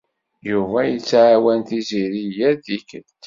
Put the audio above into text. Yuba yettɛawan Tiziri yal tikkelt.